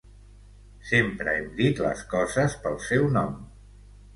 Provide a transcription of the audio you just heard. Sempre hem dit les coses pel seu nom.